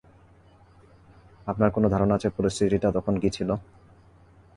আপনার কোন ধারণা আছে পরিস্থিতিটা তখন কী ছিল?